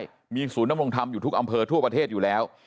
ใช่มีศูนยำรงธรรมอยู่ทุกอำเภอทั่วประเทศอยู่แล้ว